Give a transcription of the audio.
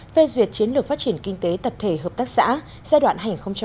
về duyệt chiến lược phát triển kinh tế tập thể hợp tác xã giai đoạn hai nghìn hai mươi một hai nghìn ba mươi